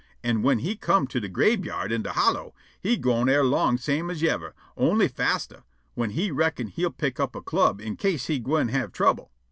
An' whin he come' to de grabeyard in de hollow, he goin' erlong same as yever, on'y faster, whin he reckon' he'll pick up a club in case he gwine have trouble.